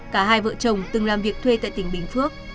cả hai vợ chồng từng làm việc thuê tại tỉnh bình phước